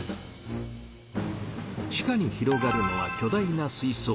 地下に広がるのは巨大な水槽。